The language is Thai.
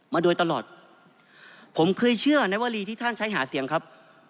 มาโดยตลอดผมเคยเชื่อในวรีที่ท่านใช้หาเสียงครับ